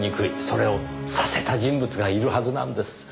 それをさせた人物がいるはずなんです。